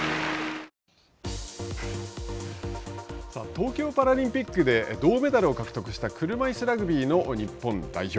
東京パラリンピックで銅メダルを獲得した車いすラグビーの日本代表。